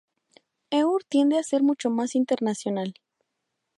Eur tiende a ser mucho más internacional.